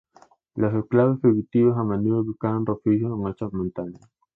Los esclavos fugitivos a menudo buscaban refugios en esas montañas.